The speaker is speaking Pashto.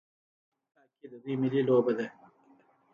هاکي د دوی ملي لوبه ده.